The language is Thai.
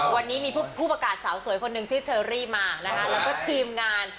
วันนี้มีผู้ประกาศสาวสวยขนิดนึงชื่อเชอรี่และก็ทีมงาน